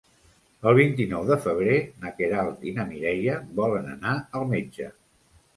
El vint-i-nou de febrer na Queralt i na Mireia volen anar al metge.